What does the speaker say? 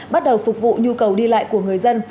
bắt đầu phục vụ nhu cầu đi lại của người dân